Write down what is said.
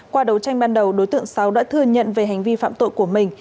qua đấu tranh ban đầu đối tượng sáu đã thừa nhận về hành vi phạm tội của mình